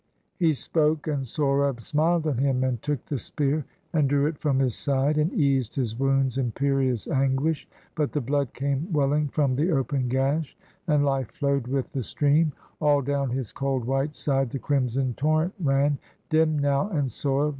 He spoke; and Sohrab smil'd on him, and took The spear, and drew it from his side, and eas'd His wound's imperious anguish ; but the blood Came welling from the open gash, and Ufe Flow'd with the stream; all down his cold white side The crimson torrent ran, dim now and soil'd.